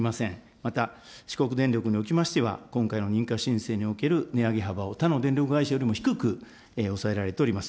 また四国電力におきましては、今回の認可申請における値上げ幅を他の電力会社よりも低く抑えられております。